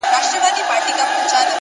پوهه د راتلونکو نسلونو رڼا ده!